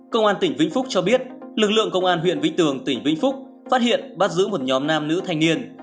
công an tỉnh vĩnh phúc cho biết lực lượng công an huyện vĩnh tường tỉnh vĩnh phúc phát hiện bắt giữ một nhóm nam nữ thanh niên